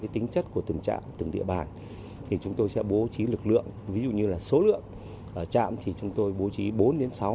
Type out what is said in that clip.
tính chất của từng trạng từng địa bàn chúng tôi sẽ bố trí lực lượng ví dụ như số lượng trạm thì chúng tôi bố trí bốn đến sáu